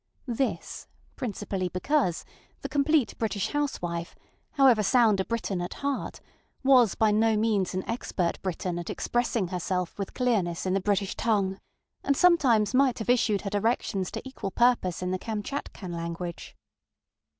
This, principally because the Complete British Housewife, however sound a Briton at heart, was by no means an expert Briton at expressing herself with clearness in the British tongue, and sometimes might have issued her directions to equal purpose in the Kamtchatkan language.